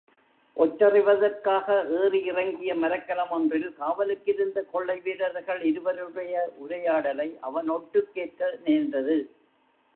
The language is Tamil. ஒற்றறிவதற்காக ஏறி இறங்கிய மரக்கலம் ஒன்றில் காவலுக்கிருந்த கொள்ளை வீரர்கள் இருவருடைய உரையாடலை அவன் ஒட்டுக் கேட்க நேர்ந்தது.